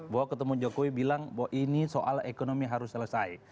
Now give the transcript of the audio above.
bahwa ketemu jokowi bilang bahwa ini soal ekonomi harus selesai